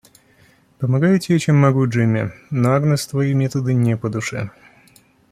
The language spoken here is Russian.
Помогаю тебе, чем могу, Джимми, но Агнес твои методы не по душе.